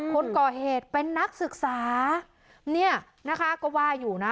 คนก่อเหตุเป็นนักศึกษาเนี่ยนะคะก็ว่าอยู่นะ